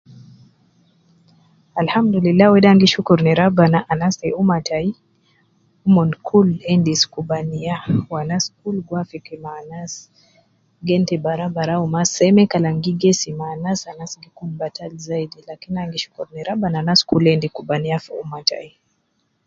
Alhamdulillah wede an gi shukur ne rabbana anas te ummah tayi ,umon kul endis kubaniya wu anas kul gi wafiki me anas, gen te baraubarau mma seme kalam gi gesim anas ,anas gi kun batal zaidi lakin ana gi shukur ne rabbana anas kul endis kubaniya fi ummah tayi.